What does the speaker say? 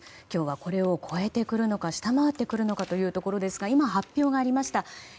今日はこれを超えてくるのか下回ってくるのかというところですが今、発表がありました。